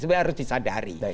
sebenarnya harus disadari